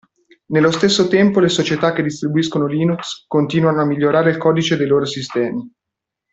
Nello stesso tempo le società che distribuiscono Linux, continuano a migliorare il codice dei loro sistemi.